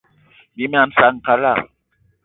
Bí mag saan kalara.